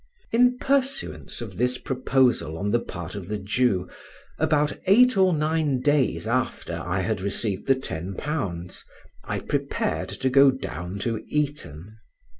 In pursuance of this proposal on the part of the Jew, about eight or nine days after I had received the £10, I prepared to go down to Eton.